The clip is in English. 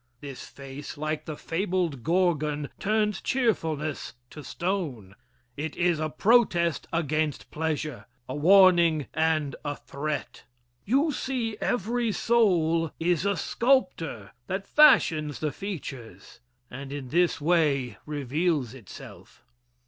This face, like the fabled Gorgon, turns cheerfulness to stone. It is a protest against pleasure a warning and a threat. You see every soul is a sculptor that fashions the features, and in this way reveals itself.